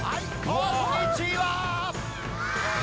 こんにちは！